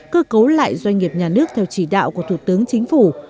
cơ cấu lại doanh nghiệp nhà nước theo chỉ đạo của thủ tướng chính phủ